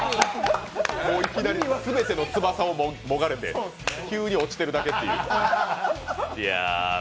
いきなり全ての翼をもがれて、急に落ちてるだけという。